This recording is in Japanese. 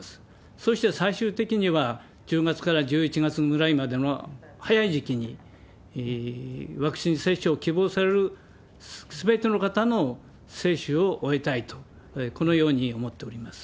そして最終的には、１０月から１１月ぐらいまでの早い時期に、ワクチン接種を希望されるすべての方の接種を終えたいと、このように思っております。